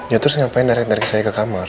ya terus ngapain narik narik saya ke kamar